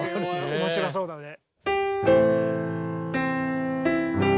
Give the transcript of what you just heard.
面白そうだね。